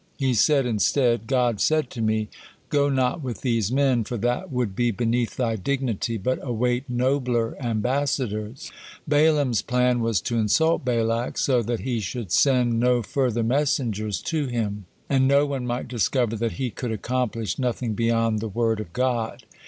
He said instead, "God said to me, 'Go not with these men, for that would be beneath thy dignity, but await nobler ambassadors.'" Balaam's plan was to insult Balak, so that he should send no further messengers to him, and no one might discover that he could accomplish nothing beyond the word of God.